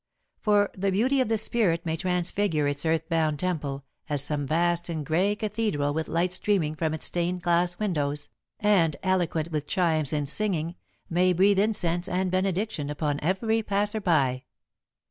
For the beauty of the spirit may transfigure its earth bound temple, as some vast and grey cathedral with light streaming from its stained glass windows, and eloquent with chimes and singing, may breathe incense and benediction upon every passer by.